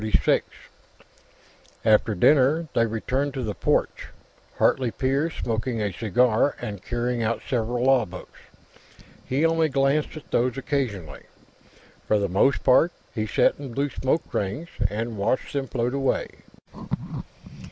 After dinner, they returned to the porch, Hartley père smoking a cigar and carrying out several law books. He only glanced at these occasionally; for the most part, he sat and blew smoke rings, and watched them float away.